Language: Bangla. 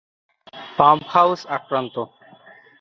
পাম্প হাউস আক্রান্ত!